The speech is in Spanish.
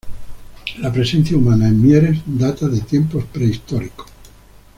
La presencia humana en Mieres data de tiempos prehistóricos.